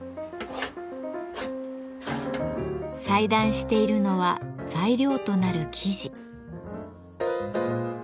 裁断しているのは材料となる生地。